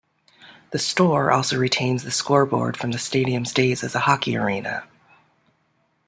The store also retains the scoreboard from the stadium's days as a hockey arena.